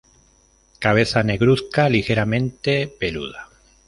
Cabeza negruzca, ligeramente peluda.